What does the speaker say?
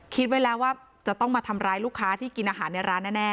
คิดไว้แล้วว่าจะต้องมาทำร้ายลูกค้าที่กินอาหารในร้านแน่